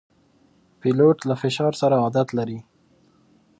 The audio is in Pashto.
پیلوټ له فشار سره عادت لري.